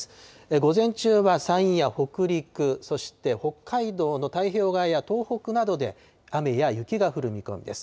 午前中は山陰や北陸、そして北海道の太平洋側や東北などで、雨や雪が降る見込みです。